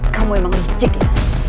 kamu emang licik ya